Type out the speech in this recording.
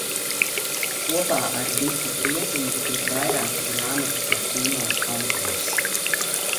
Kopā ar Ditu Rietumu ir vairāku grāmatu par kino autors.